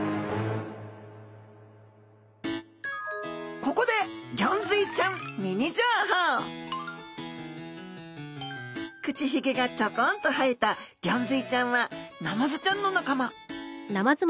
ここで口ヒゲがちょこんと生えたギョンズイちゃんはナマズちゃんの仲間。